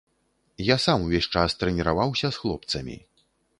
Я сам увесь час трэніраваўся з хлопцамі.